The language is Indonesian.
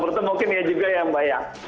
menurut saya mungkin ya juga ya mbak ya